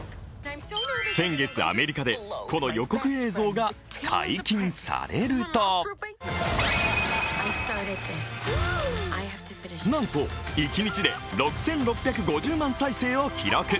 先月、アメリカでこの予告映像が解禁されるとなんと一日で６６５０万再生を記録。